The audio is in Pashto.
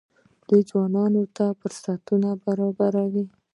دوی ځوانانو ته فرصتونه برابروي.